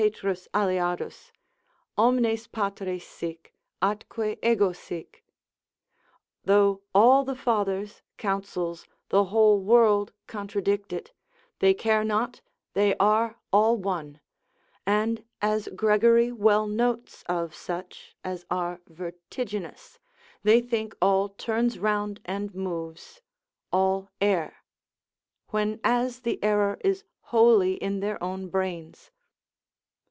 Aliardus, omnes patres sic, atque ego sic. Though all the Fathers, Councils, the whole world contradict it, they care not, they are all one: and as Gregory well notes of such as are vertiginous, they think all turns round and moves, all err: when as the error is wholly in their own brains.